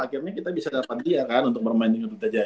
akhirnya kita bisa dapat dia kan untuk bermain dengan dia aja